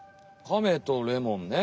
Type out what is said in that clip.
カメとレモンね。